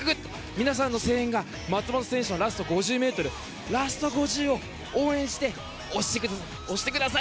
皆さんの声援が松元選手のラスト５０を応援して押してください！